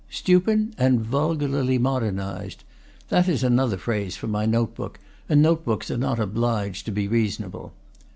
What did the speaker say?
"Stupidly and vulgarly rnodernized," that is an other phrase from my note book, and note books are not obliged to be reasonable.